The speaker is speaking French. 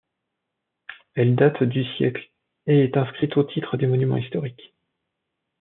Elle date du siècle et est inscrite au titre des Monuments historiques.